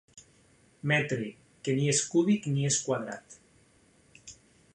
Metre que ni és cúbic ni és quadrat.